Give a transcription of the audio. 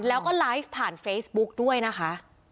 แล้วก็ไลฟ์ผ่านเฟซบุ๊กด้วยนะคะ